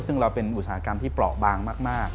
ซึ่งเราเป็นอุตสาหกรรมที่เปราะบางมาก